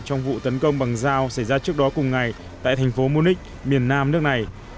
trong vụ tấn công bằng dao xảy ra trước đó cùng ngày tại thành phố munich miền nam nước này